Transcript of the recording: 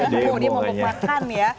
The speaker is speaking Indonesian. dia mau memakan ya